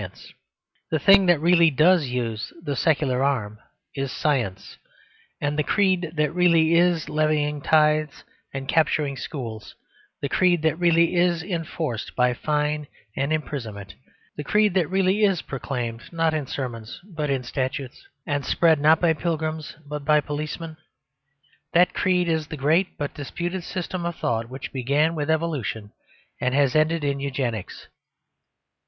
The thing that really does use the secular arm is Science. And the creed that really is levying tithes and capturing schools, the creed that really is enforced by fine and imprisonment, the creed that really is proclaimed not in sermons but in statutes, and spread not by pilgrims but by policemen that creed is the great but disputed system of thought which began with Evolution and has ended in Eugenics.